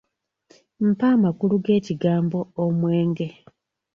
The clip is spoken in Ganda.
Mpa amakulu g’ekigambo "omwenge".